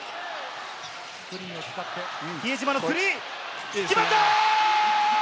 比江島のスリー、決まった！